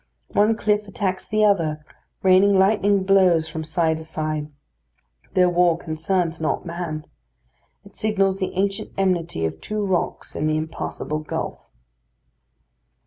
One cliff attacks the other, raining lightning blows from side to side. Their war concerns not man. It signals the ancient enmity of two rocks in the impassable gulf.